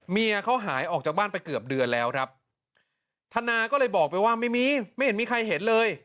เมียเขาหายออกจากบ้านไปเกือบเดือนแล้วครับธนาก็เลยบอกไปว่าไม่มีไม่เห็นมีใครเห็นเลย